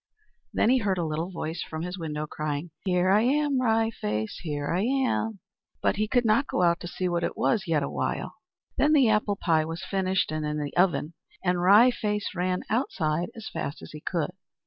Then he heard a little voice from his window, crying, "Here I am, Wry Face, here I am!" But he could not go out to see what it was yet awhile. Then the apple pie was finished, and in the oven; and Wry Face ran outside as fast as he could.